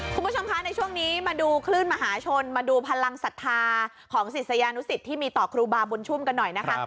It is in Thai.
คุณผู้ชมคะในช่วงนี้มาดูคลื่นมหาชนมาดูพลังศรัทธาของศิษยานุสิตที่มีต่อครูบาบุญชุ่มกันหน่อยนะคะ